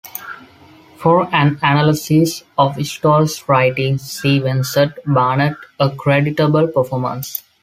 For an analysis of Stoll's writings see Vincent Barnett, 'A Creditable Performance?